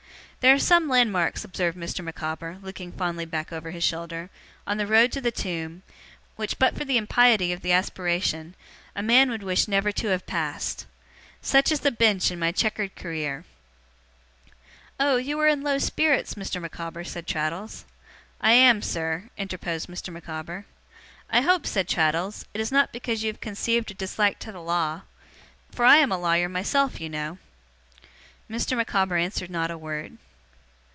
'There are some landmarks,' observed Mr. Micawber, looking fondly back over his shoulder, 'on the road to the tomb, which, but for the impiety of the aspiration, a man would wish never to have passed. Such is the Bench in my chequered career.' 'Oh, you are in low spirits, Mr. Micawber,' said Traddles. 'I am, sir,' interposed Mr. Micawber. 'I hope,' said Traddles, 'it is not because you have conceived a dislike to the law for I am a lawyer myself, you know.' Mr. Micawber answered not a word.